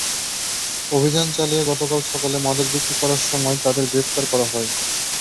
অভিযান চালিয়ে গতকাল সকালে মাদক বিক্রি করার সময় তাঁদের গ্রেপ্তার করা হয়।